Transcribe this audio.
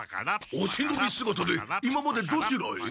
おしのびすがたで今までどちらへ？